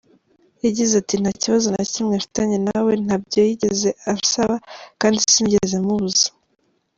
Yagize ati“Nta kibazo na kimwe mfitanye nawe, ntabyo yigeze ansaba kandi sinigeze mubuza.